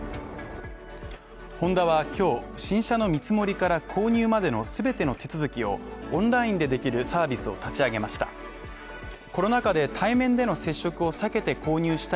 ホンダは今日、新車の見積もりから購入までの全ての手続きをオンラインでできるサービスを立ち上げました。